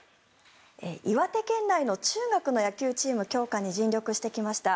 岩手県内の中学の野球チーム強化に尽力してきました